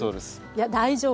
いや大丈夫。